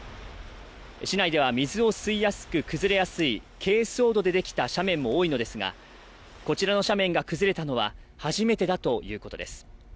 市内では水を吸いやすく崩れやすいけいそう土でできた斜面も多いのですが、こちらの斜面が崩れたのは初めてだということです。